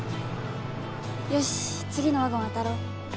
よし次のワゴン当たろう。